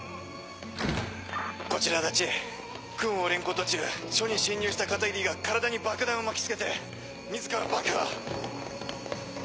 こちら足達久遠を連行途中署に侵入した片桐が体に爆弾を巻き付けて自ら爆破。